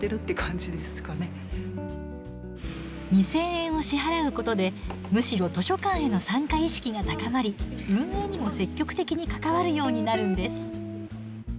２，０００円を支払うことでむしろ図書館への参加意識が高まり運営にも積極的に関わるようになるんです。